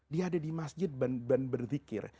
dia ada di masjid ber berdhikr